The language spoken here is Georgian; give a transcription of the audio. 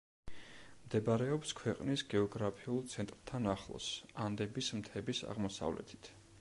მდებარეობს ქვეყნის გეოგრაფიულ ცენტრთან ახლოს, ანდების მთების აღმოსავლეთით.